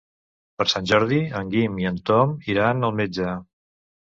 Per Sant Jordi en Guim i en Tom iran al metge.